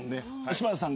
柴田さん